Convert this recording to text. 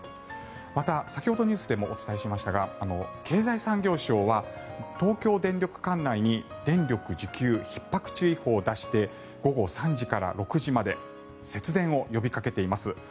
また、先ほどニュースでもお伝えしましたが経済産業省は東京電力管内に電力需給ひっ迫注意報を出して午後３時から６時まで節電を呼びかけています。